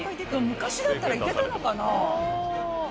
昔だったらいけたのかな？